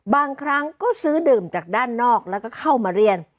บางครั้งก็ซื้อดื่มจากด้านนอกแล้วก็เข้ามาเรียน